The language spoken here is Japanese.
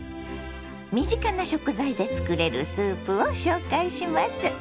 身近な食材で作れるスープを紹介します。